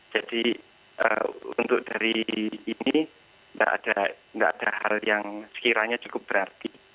jadi untuk dari ini nggak ada hal yang sekiranya cukup berarti